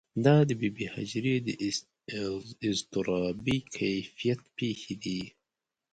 دا د بې بي هاجرې د اضطرابي کیفیت پېښې دي.